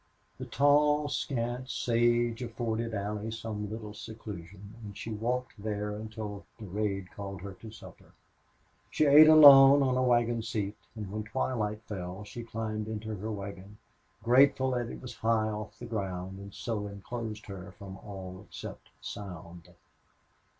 The tall, scant sage afforded Allie some little seclusion, and she walked there until Durade called her to supper. She ate alone on a wagon seat, and when twilight fell she climbed into her wagon, grateful that it was high off the ground and so inclosed her from all except sound.